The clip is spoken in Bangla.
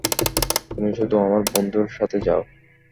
তুমি শুধু আমার বন্ধুর সাথে যাও।